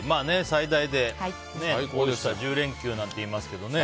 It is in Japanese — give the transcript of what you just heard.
最大で１０連休なんて言いますけどね。